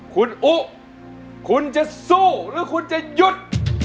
คุณอุคุณจะสู้หรือคุณจะหยุด